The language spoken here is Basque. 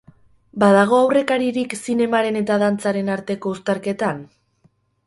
Badago aurrekaririk zinemaren eta dantzaren arteko uztarketan?